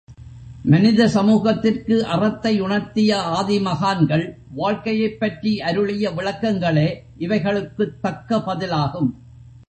மனித சமூகத்திற்கு அறத்தை உணர்த்திய ஆதி மகான்கள் வாழ்க்கையைப் பற்றி அருளிய விளக்கங்களே இவைகளுக்குத் தக்க பதிலாகும்.